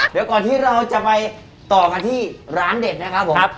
เดี๋ยวก่อนที่เราจะไปต่อกันที่ร้านเด็ดนะครับผมครับ